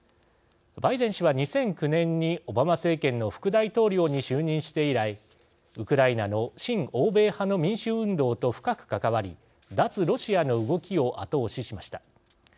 バイデン氏は、２００９年にオバマ政権の副大統領に就任して以来ウクライナの親欧米派の民主運動と深く関わり“脱ロシア”の動きを後押ししました。